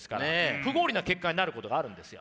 不合理な結果になることがあるんですよ。